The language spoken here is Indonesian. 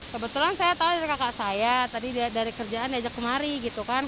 kebetulan saya tahu dari kakak saya tadi dari kerjaan diajak kemari gitu kan